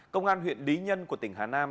công an huyện lý nhân của tỉnh hà nam